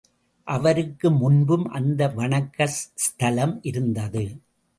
அவருக்கு முன்பும் அந்த வணக்க ஸ்தலம் இருந்தது.